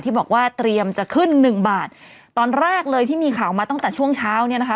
บอกว่าเตรียมจะขึ้นหนึ่งบาทตอนแรกเลยที่มีข่าวมาตั้งแต่ช่วงเช้าเนี่ยนะคะ